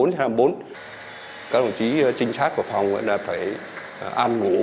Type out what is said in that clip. các đồng chí trinh sát của phòng là phải ăn ngủ